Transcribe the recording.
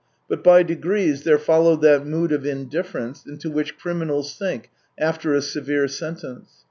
But by degrees there followed that mood of indifference into which criminals sink after a severe sentence.